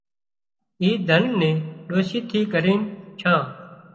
اِي ڌنَ ني ڏوشي ٿي ڪرينَ ڇان